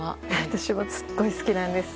私もすごい好きなんです！